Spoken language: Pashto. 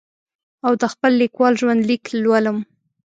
او د خپل لیکوال ژوند لیک لولم.